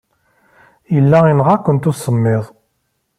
Yella yenɣa-kent usemmiḍ.